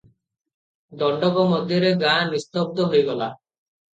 ଦଣ୍ତକ ମଧ୍ୟରେ ଗାଁ ନିସ୍ତବ୍ଧ ହୋଇଗଲା ।